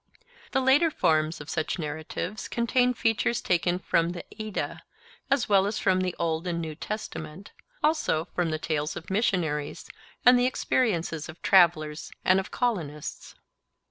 The later forms of such narratives contained features taken from the Edda, as well as from the Old and New Testament; also from the tales of missionaries and the experiences of travellers and of colonists.